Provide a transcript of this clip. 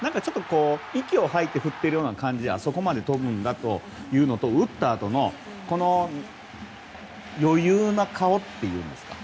息を吐いて振っているような感じでそこまで飛ぶんだというのと打ったあとの、余裕な顔っていうんですか。